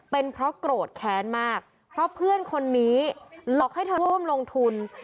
เป็นเพราะโกรธแค้นมากเพราะเพื่อนคนนี้หลอกให้เธอร่วมลงทุน